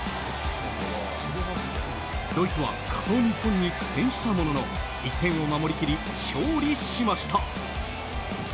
ドイツは仮想日本に苦戦したものの１点を守りきり勝利しました。